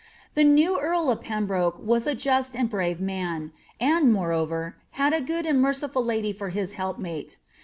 The new earl of Pembroke was a just and bnve man, and, moreover, had a good and merciful lady for his help mate.